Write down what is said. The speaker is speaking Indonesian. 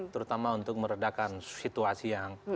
terutama untuk meredakan situasi yang